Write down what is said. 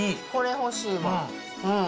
これ欲しい、もう。